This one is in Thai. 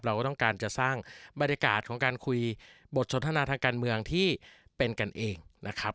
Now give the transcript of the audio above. เราก็ต้องการจะสร้างบรรยากาศของการคุยบทสนทนาทางการเมืองที่เป็นกันเองนะครับ